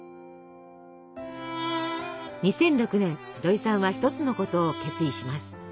２００６年どいさんは一つのことを決意します。